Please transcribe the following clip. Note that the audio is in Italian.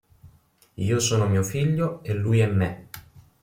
Io sono mio figlio, e lui è me".